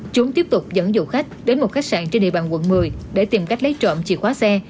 chúng tiếp tục dẫn dụ khách đến một khách sạn trên địa bàn quận một mươi để tìm cách lấy trộm chìa khóa xe